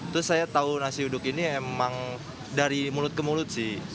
terus saya tahu nasi uduk ini emang dari mulut ke mulut sih